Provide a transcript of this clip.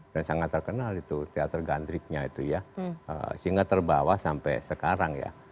dan sangat terkenal itu teater gantriknya itu ya sehingga terbawa sampai sekarang ya